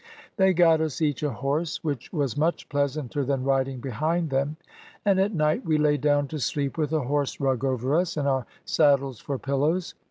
They got us each a horse, which was much pleasanter than riding behind them, and at night we lay down to sleep with a horse rug over us, and our saddles for pillows.